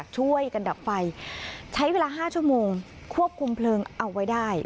ช่วยกันดับไฟใช้เวลา๕ชั่วโมงควบคุมเพลิงเอาไว้ได้